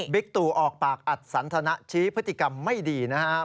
ตู่ออกปากอัดสันทนะชี้พฤติกรรมไม่ดีนะครับ